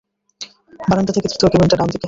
বারান্দা থেকে তৃতীয় কেবিন টা, ডানদিকে।